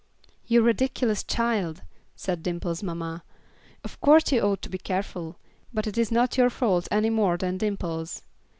"You ridiculous child," said Dimple's mamma. "Of course you ought to be careful, but it is not your fault any more than Dimple's.